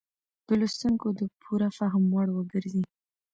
د لوستونکو د پوره فهم وړ وګرځي.